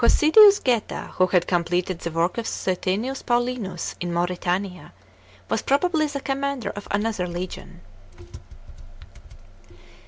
Cn. Hosidins Geta, who had conn leted the work of Suetonius Paulinus in Mauretania, was probably the commander of another le. ion.